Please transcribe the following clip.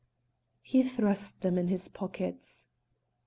He thrust them in his pockets.